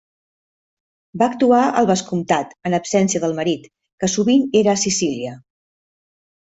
Va actuar al vescomtat, en absència del marit, que sovint era a Sicília.